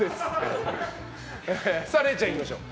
れいちゃん、いきましょう。